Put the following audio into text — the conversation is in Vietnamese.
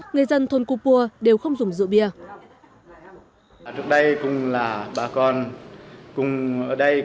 người dân thôn cô pua đều không rượu bia